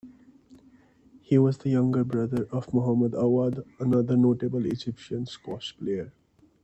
He was the younger brother of Mohammed Awad another notable Egyptian squash player.